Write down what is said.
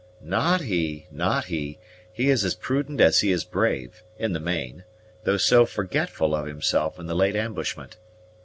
"Not he, not he; he is as prudent as he is brave, in the main, though so forgetful of himself in the late ambushment.